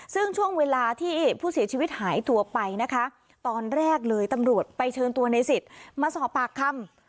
ซึ่งช่วงเวลาที่ผู้เสียชีวิตหายตัวไปนะคะตอนแรกเลยตำรวจไปเชิญตัวในสิทธิ์มาสอบปากคำ